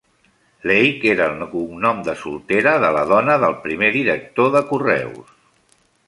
Leigh era el cognom de soltera de la dona del primer director de correus.